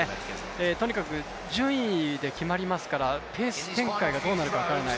とにかく順位で決まりますからペース展開がどうなるか分からない